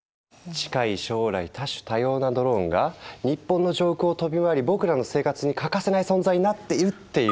近い将来多種多様なドローンが日本の上空を飛び回り僕らの生活に欠かせない存在になっているっていう話。